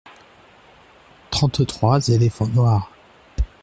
Trente-trois éléphants noirs.